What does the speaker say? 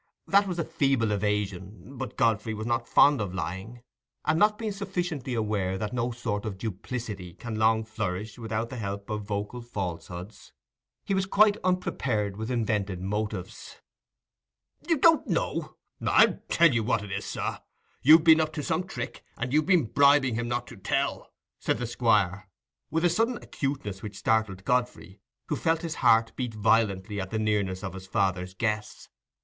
That was a feeble evasion, but Godfrey was not fond of lying, and, not being sufficiently aware that no sort of duplicity can long flourish without the help of vocal falsehoods, he was quite unprepared with invented motives. "You don't know? I tell you what it is, sir. You've been up to some trick, and you've been bribing him not to tell," said the Squire, with a sudden acuteness which startled Godfrey, who felt his heart beat violently at the nearness of his father's guess.